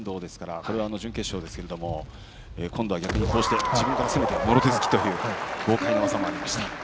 これは準決勝ですが今度は逆に自分から攻めてもろ手突きという豪快な技もありました。